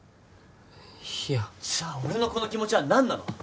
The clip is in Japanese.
いやじゃあ俺のこの気持ちは何なの？